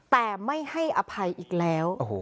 แต่ไม่ให้อภัยอีกแล้ว